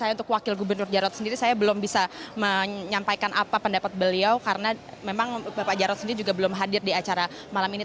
saya untuk wakil gubernur jarot sendiri saya belum bisa menyampaikan apa pendapat beliau karena memang bapak jarod sendiri juga belum hadir di acara malam ini